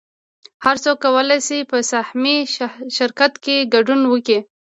هر څوک کولی شي په سهامي شرکت کې ګډون وکړي